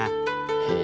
へえ。